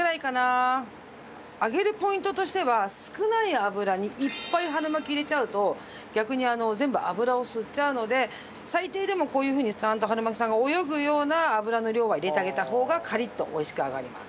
揚げるポイントとしては少ない油にいっぱい春巻き入れちゃうと逆に全部油を吸っちゃうので最低でもこういう風にちゃんと春巻きさんが泳ぐような油の量は入れてあげた方がカリッとおいしく揚がります。